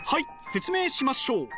説明しましょう。